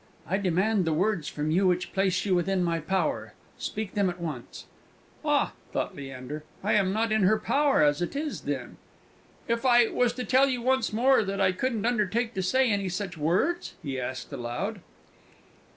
I demand the words from you which place you within my power: speak them at once!" ("Ah," thought Leander, "I am not in her power as it is, then.") "If I was to tell you once more that I couldn't undertake to say any such words?" he asked aloud.